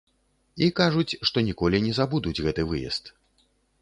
І кажуць, што ніколі не забудуць гэты выезд.